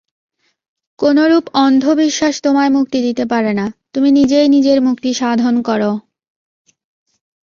কোনরূপ অন্ধবিশ্বাস তোমায় মুক্তি দিতে পারে না, তুমি নিজেই নিজের মুক্তি-সাধন কর।